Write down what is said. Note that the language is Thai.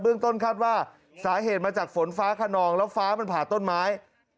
ต้นคาดว่าสาเหตุมาจากฝนฟ้าขนองแล้วฟ้ามันผ่าต้นไม้